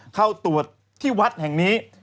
เข้าตรวจที่วัดแห่งนี้